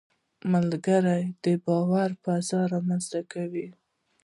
ملګری د باور فضا رامنځته کوي